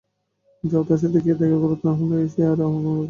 যাও তার সাথে গিয়ে দেখা করো, নাহলে এরা আমাকে মেরে ফেলবে।